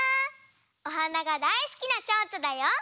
おはながだいすきなちょうちょだよ。